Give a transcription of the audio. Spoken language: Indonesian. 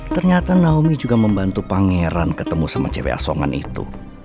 ternyata naomi juga membantu pangeran ketemu sama cewek asongan itu